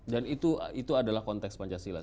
dan itu adalah konteks pancasila